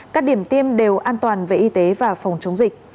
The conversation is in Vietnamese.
các điểm tiêm đều an toàn về y tế và phòng chống dịch